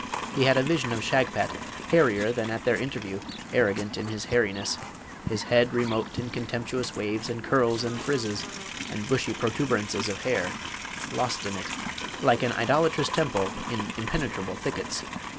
he had a vision of Shagpat, hairier than at their interview, arrogant in hairiness; his head remote in contemptuous waves and curls and frizzes, and bushy protuberances of hair, lost in it, like an idolatrous temple in impenetrable thickets.